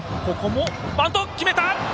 バント決めた！